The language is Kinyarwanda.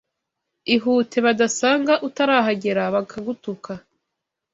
Ihute badasanga utarahagera bakagutuka